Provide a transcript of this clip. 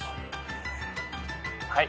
はい。